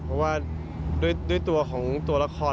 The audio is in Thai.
เพราะว่าด้วยตัวของตัวละคร